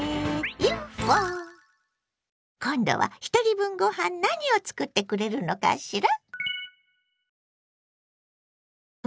今度はひとり分ご飯何を作ってくれるのかしら？